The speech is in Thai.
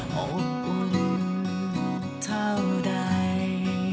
อบอุ่นเท่าใด